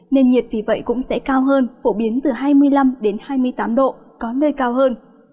nền nhiệt vì vậy cũng sẽ cao hơn phổ biến từ hai mươi năm hai mươi tám độ có nơi cao hơn